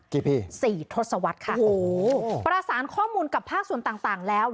กี่พี่๔ทศวรรษค่ะประสานข้อมูลกับภาคส่วนต่างแล้ว